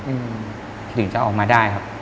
ถึงจะออกมาได้ครับ